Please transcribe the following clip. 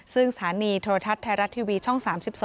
ซึ่งสถานีโทรทัศน์ไทยรัฐทีวีช่อง๓๒